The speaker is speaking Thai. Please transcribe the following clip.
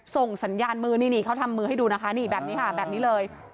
ส่งสัญญาณมือนี่เขาทำมือให้ดูนะคะนี่แบบนี้ค่ะแบบนี้เลย